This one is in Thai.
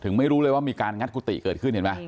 ไม่รู้เลยว่ามีการงัดกุฏิเกิดขึ้นเห็นไหม